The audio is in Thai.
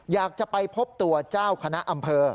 อยากจะไปพบตัวเจ้าคณะอำเภอ